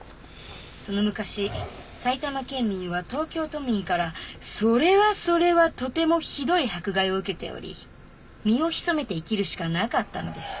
その昔埼玉県民は東京都民からそれはそれはとてもひどい迫害を受けており身を潜めて生きるしかなかったのです。